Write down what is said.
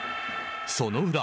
その裏。